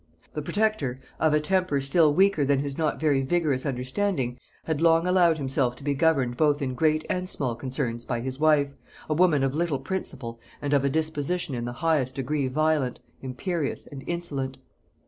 The protector, of a temper still weaker than his not very vigorous understanding, had long allowed himself to be governed both in great and small concerns by his wife, a woman of little principle and of a disposition in the highest degree violent, imperious, and insolent.